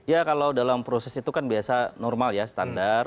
ya kalau dalam proses itu kan biasa normal ya standar